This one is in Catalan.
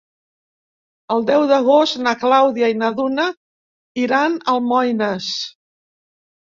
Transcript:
El deu d'agost na Clàudia i na Duna iran a Almoines.